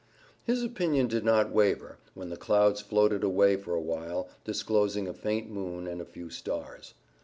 His opinion did not waver, when the clouds floated away for a while, disclosing a faint moon and a few stars.